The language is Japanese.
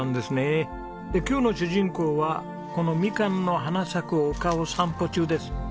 今日の主人公はこのみかんの花咲く丘を散歩中です。